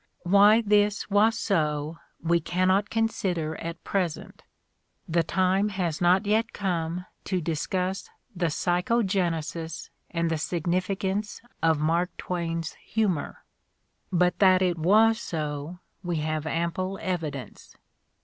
"Why this was so we cannot consider at present: the time has not yet come to discuss the psychogenesis and the significance of Mark Twain's humor. But that it was so we have ample evidence.